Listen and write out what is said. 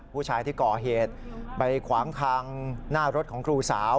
ผู้ชายที่ก่อเหตุไปขวางทางหน้ารถของครูสาว